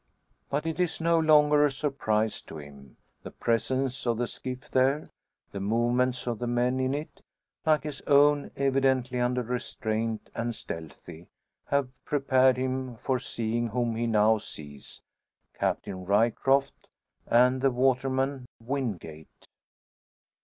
But it is no longer a surprise to him. The presence of the skiff there, the movements of the men in it like his own, evidently under restraint and stealthy have prepared him for seeing whom he now sees Captain Ryecroft and the waterman Wingate.